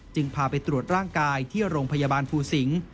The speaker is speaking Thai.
พาไปตรวจร่างกายที่โรงพยาบาลภูสิงศ์